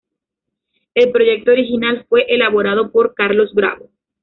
El proyecto original fue elaborado por Carlos Bravo.